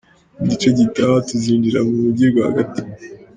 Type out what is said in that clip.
Mu gice gitaha tuzinjira mu mujyi rwagati.